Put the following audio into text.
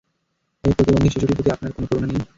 এই প্রতিবন্ধী শিশুটির প্রতি আপনার মনে কোন করুণা নেই?